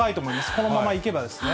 このままいけばですね。